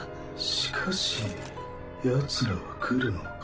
しかしヤツらは来るのか？